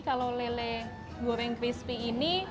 kalau lele goreng crispy ini